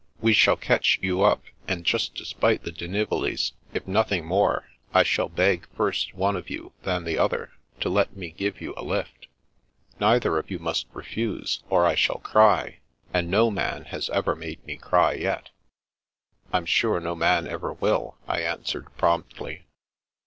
We shall catch you up, and just to spite the Di Nivolis, if nothing more, I shall beg first one of you, then the other, to let me give you a lift. Neither of you must refuse, or I shall cry, and no man has ever made me cry yet." " Fm sure no man ever will," I answered promptly.